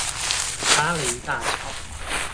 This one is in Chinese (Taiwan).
巴陵大橋